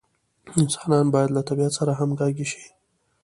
انسان باید له طبیعت سره همغږي شي.